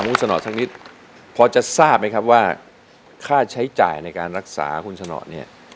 คุณสนอสักนิดพอจะทราบไหมครับว่าค่าใช้จ่ายในการรักษาคุณสนอดเนี่ย